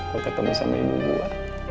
gue ketemu sama ibu gua